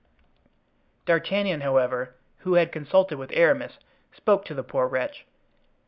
D'Artagnan, however, who had consulted with Aramis, spoke to the poor wretch.